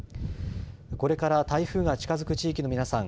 これから台風が近づく地域の皆さん